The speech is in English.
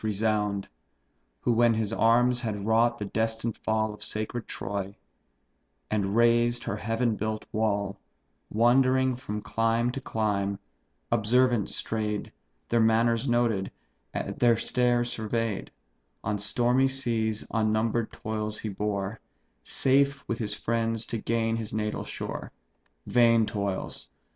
resound; Who, when his arms had wrought the destined fall Of sacred Troy, and razed her heaven built wall, Wandering from clime to clime, observant stray'd, Their manners noted, and their states survey'd, On stormy seas unnumber'd toils he bore, Safe with his friends to gain his natal shore: Vain toils!